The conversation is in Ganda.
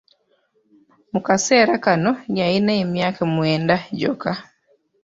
Mu kaseera kano yalina emyaka mwenda gyokka.